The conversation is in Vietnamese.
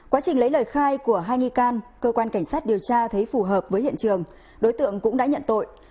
quá trình lấy lời khai của hai nghi can cơ quan cảnh sát điều tra thấy phù hợp với hiện trường đối tượng cũng đã nhận tội